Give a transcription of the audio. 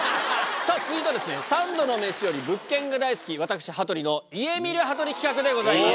さあ、続いては三度の飯より物件が大好き、私、羽鳥の家見るハトリ企画でございます。